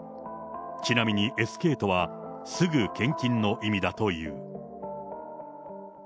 ちなみにＳＫとは、すぐ献金の意味だという。